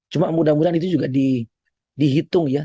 cuma mudah mudahan itu juga dihitung ya